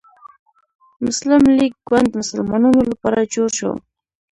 مسلم لیګ ګوند د مسلمانانو لپاره جوړ شو.